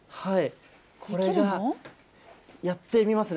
これが、やってみますね。